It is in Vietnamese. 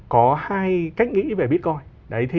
có hai cách nghĩ về bitcoin